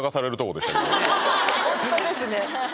ホントですね